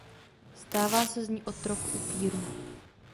Stává se z ní otrok upírů.